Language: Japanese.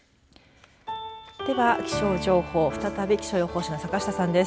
では、気象情報再び気象予報士の坂下さんです。